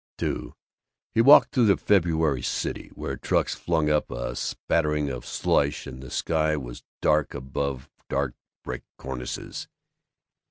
II He walked through the February city, where trucks flung up a spattering of slush and the sky was dark above dark brick cornices.